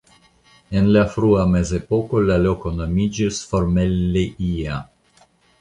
En la frua Mezepoko la loko nomiĝis Formelleia.